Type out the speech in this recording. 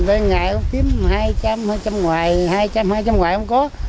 ngày cũng kiếm hai trăm linh hai trăm linh ngoài hai trăm linh hai trăm linh ngoài không có